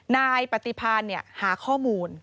นายปฏิพันธ์เนี่ยหาข้อมูล